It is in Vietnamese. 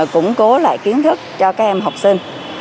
củng cố lại kiến thức cho các em học sinh